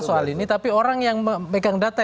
soal ini tapi orang yang memegang data